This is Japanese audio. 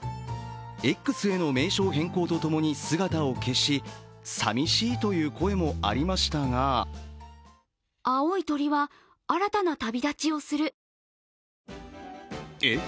Ｘへの名称変更とともに姿を消し寂しいという声もありましたがえ？